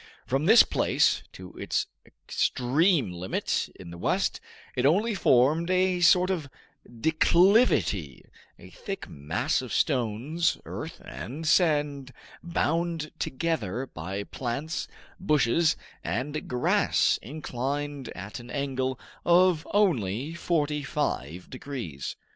From this place, to its extreme limit in the west, it only formed a sort of declivity, a thick mass of stones, earth, and sand, bound together by plants, bushes, and grass inclined at an angle of only forty five degrees.